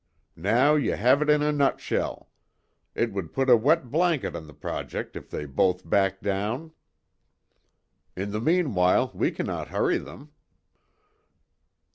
"Now ye have it in a nutshell it would put a wet blanket on the project if they both backed down. In the meanwhile we cannot hurry them."